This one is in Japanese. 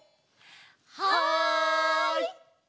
はい！